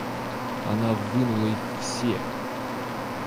Она вынула их все.